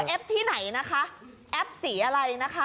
ที่ไหนนะคะแอปสีอะไรนะคะ